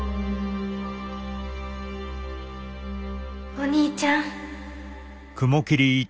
お兄ちゃん。